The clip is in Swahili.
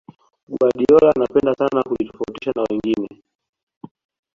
guardiola anapenda sana kujitofautisha na wengine